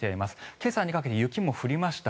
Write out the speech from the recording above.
今朝にかけて雪も降りました。